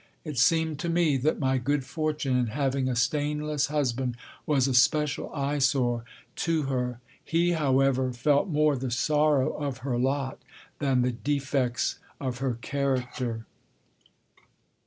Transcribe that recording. It seemed to me that my good fortune in having a stainless husband was a special eyesore to her. He, however, felt more the sorrow of her lot than the defects of her character.